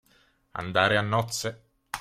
Andare a nozze.